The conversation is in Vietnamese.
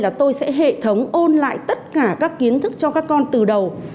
là tôi sẽ hệ thống ôn lại tất cả các kiến thức cho các con từ đầu